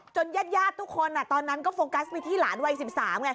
ญาติทุกคนตอนนั้นก็โฟกัสไปที่หลานวัย๑๓ไง